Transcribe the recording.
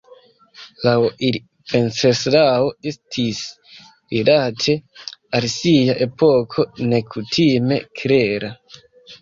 Laŭ ili Venceslao estis rilate al sia epoko nekutime klera.